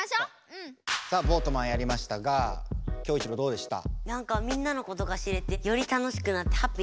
さあボートマンやりましたがキョウイチロウどうでした？